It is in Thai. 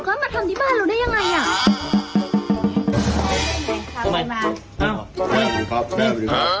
ฆ่านังฆ่าเข่ากล้ามาทำที่บ้านเราได้อย่างไรอ่ะ